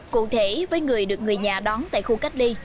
cụ thể với người được người nhà đón tại khu cách ly